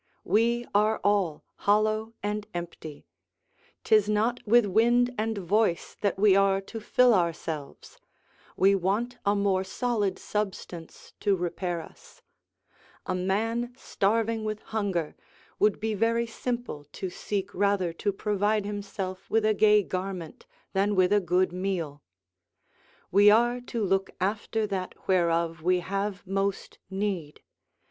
We are all hollow and empty; 'tis not with wind and voice that we are to fill ourselves; we want a more solid substance to repair us: a man starving with hunger would be very simple to seek rather to provide himself with a gay garment than with a good meal: we are to look after that whereof we have most need.